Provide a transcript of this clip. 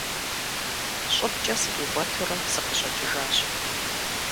ЩӀыбкӀэ сыкъикӀуэтурэ сыкъыщӀэкӀыжащ.